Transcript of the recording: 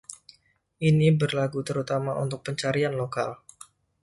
Ini berlaku terutama untuk pencarian lokal.